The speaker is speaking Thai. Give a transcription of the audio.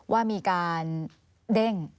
ว่ามีการเด้ง